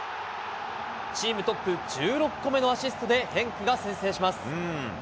チームトップ１６個目のアシストで、ヘンクが先制します。